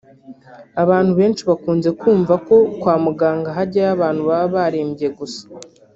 Abantu benshi bakunze kumva ko kwa muganga hajyayo abantu baba barembye gusa